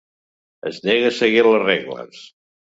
Es nega a seguir les regles.